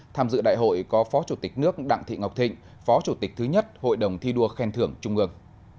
tham dự đại hội có phó chủ tịch nước đặng thị ngọc thịnh phó chủ tịch thứ nhất hội đồng thi đua khen thưởng trung ương